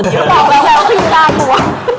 พี่น่ากลัว